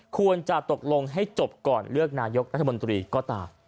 ควรจะตกลงให้จบก่อนเลือกนายกรัฐมนตรีก็ตาม